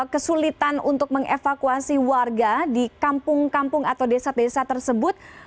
kesulitan untuk mengevakuasi warga di kampung kampung atau desa desa tersebut